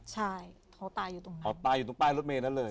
ใช่เขาตายอยู่ตรงนั้นเขาตายอยู่ตรงใต้รถเมย์นั้นเลย